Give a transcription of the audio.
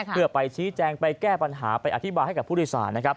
เพื่อไปชี้แจงไปแก้ปัญหาไปอธิบายให้กับผู้โดยสารนะครับ